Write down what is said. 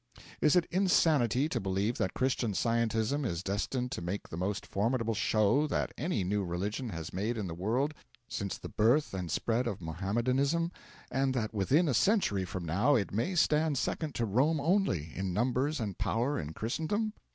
Is it insanity to believe that Christian Scientism is destined to make the most formidable show that any new religion has made in the world since the birth and spread of Mohammedanism, and that within a century from now it may stand second to Rome only, in numbers and power in Christendom?